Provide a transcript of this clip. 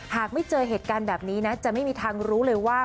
หากไม่เจอเหตุการณ์แบบนี้นะจะไม่มีทางรู้เลยว่า